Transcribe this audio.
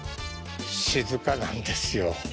静かなんですよ。